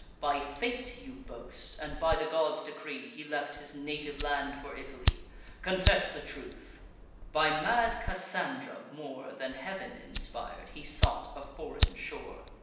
By fate, you boast, and by the gods' decree, He left his native land for Italy! Confess the truth; by mad Cassandra, more Than Heav'n inspir'd, he sought a foreign shore!